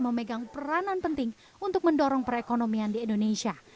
memegang peranan penting untuk mendorong perekonomian di indonesia